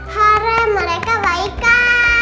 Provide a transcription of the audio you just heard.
hore mereka baikkan